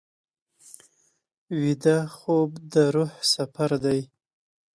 ویده خوب د روح سفر دی